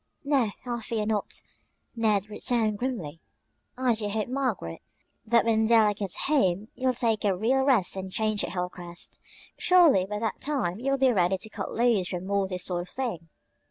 "No, I fear not," Ned returned grimly. "I do hope, Margaret, that when Della gets home you'll take a real rest and change at Hilcrest. Surely by that time you'll be ready to cut loose from all this sort of thing!"